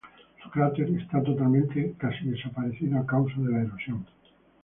Su cráter está totalmente casi desaparecido, a causa de la erosión.